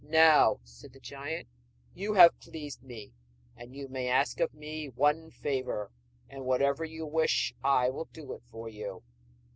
'Now,' said the giant, 'you have pleased me, and you may ask of me one favour, and whatever you wish I will do it for you.